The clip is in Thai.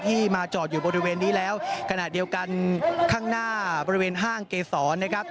มาจอดอยู่บริเวณนี้แล้วขณะเดียวกันข้างหน้าบริเวณห้างเกษรนะครับ